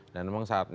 dan memang saatnya